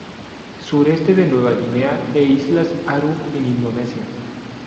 Sureste de Nueva Guinea e islas Aru en Indonesia.